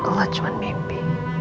ya allah cuman mimpi